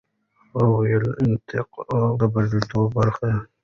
هغه وویل، انعطاف د بریالیتوب برخه ده.